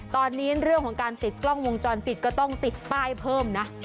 ตอนนี้เรื่องของการติดกล้องวงจรปิดก็ต้องติดป้ายเพิ่มนะ